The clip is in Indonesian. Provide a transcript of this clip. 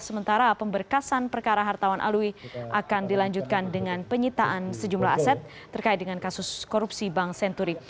sementara pemberkasan perkara hartawan alwi akan dilanjutkan dengan penyitaan sejumlah aset terkait dengan kasus korupsi bank senturi